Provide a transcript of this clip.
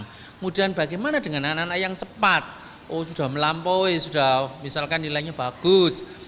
kemudian bagaimana dengan anak anak yang cepat sudah melampaui sudah misalkan nilainya bagus